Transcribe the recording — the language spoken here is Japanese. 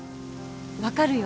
分かるよ